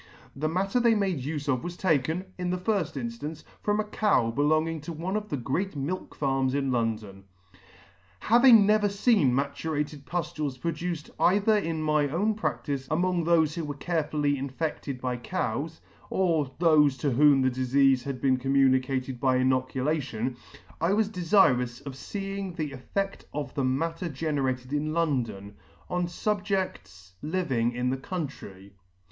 The matter they made ufe of was taken, in the firft inStance, from a cow belonging to one of the great milk farms in London. S Having [ «3° 1 Having never feen maturated puftules produced either in my own practice among thofe who were cafually infected by cows, or thofe to whom the difeafe had been communicated by inocula tion, I was defirous of feeing the eflfedt of the matter generated in London, on fubjedts living in the country.